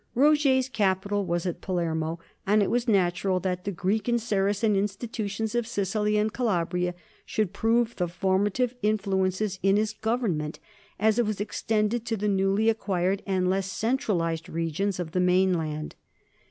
Roger's capital was at Palermo, and it was natural that the Greek and Saracen institutions of Sicily and Calabria should prove the formative influences in his government as it was extended to the newly acquired and less centralized regions of the mainland.